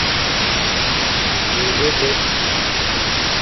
کݵلݺ دݵک.